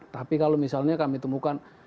tapi kalau misalnya kami temukan